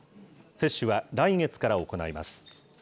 接種は来月から行います。